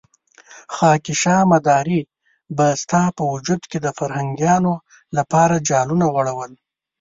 خاکيشاه مداري به ستا په وجود کې د فرهنګيانو لپاره جالونه غوړول.